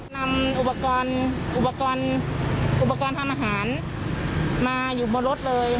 นำอุปกรณ์ทำอาหารมาอยู่บนรถเลย